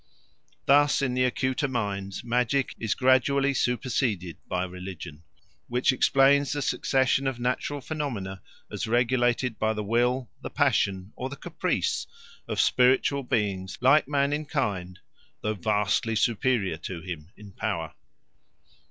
Thus in the acuter minds magic is gradually superseded by religion, which explains the succession of natural phenomena as regulated by the will, the passion, or the caprice of spiritual beings like man in kind, though vastly superior to him in power.